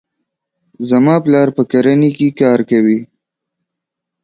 زما پلار په کرنې کې کار کوي.